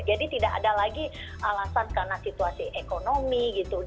jadi tidak ada lagi alasan karena situasi ekonomi gitu